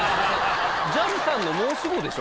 ＪＡＬさんの申し子でしょう。